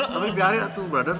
tapi biar ya tuh brother